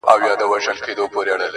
ستا د زلفو په خنجر کي را ايسار دی_